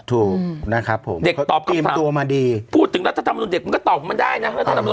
ถูกนะครับผมเด็กตอบคำถามพูดถึงรัฐธรรมนุมเด็กมันก็ตอบมันได้นะ